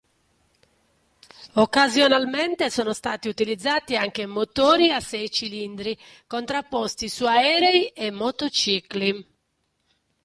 Occasionalmente sono stati utilizzati anche motori a sei cilindri contrapposti su aerei e motocicli.